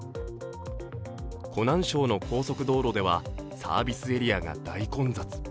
湖南省の高速道路では、サービスエリアが大混雑。